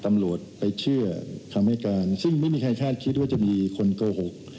ตำรวจไปเชื่อคำให้การซึ่งไม่มีใครคาดคิดว่าจะมีคนโกหก